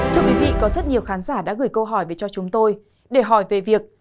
thưa quý vị có rất nhiều khán giả đã gửi câu hỏi về cho chúng tôi để hỏi về việc